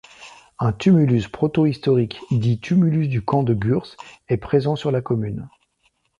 Un tumulus protohistorique, dit tumulus du camp de Gurs, est présent sur la commune.